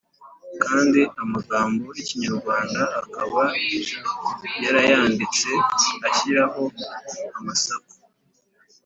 kandi amagambo y’Ikinyarwanda akaba yarayanditse ashyiraho amasaku.